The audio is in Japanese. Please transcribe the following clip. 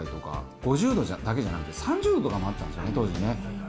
５０度だけじゃなくて、３０度とかあったんですね、当時ね。